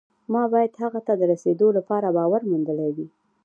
ما باید هغه ته د رسېدو لپاره باور موندلی وي